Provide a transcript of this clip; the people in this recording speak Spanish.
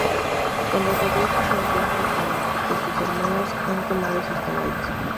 Cuando regresa se encuentra con que sus hermanos han tomado sus caballos.